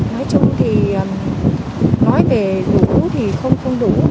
nói chung thì nói về đủ thì không không đủ